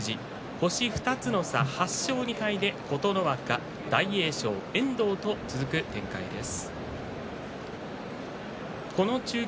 星２つの差８勝２敗で琴ノ若大栄翔、遠藤と続く展開です。